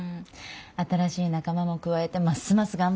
新しい仲間も加えてますます頑張んないとね。